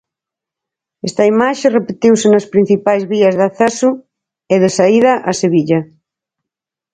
Esta imaxe repetiuse nas principais vías de acceso e de saída a Sevilla.